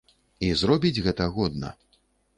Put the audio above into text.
І зробіць гэта годна.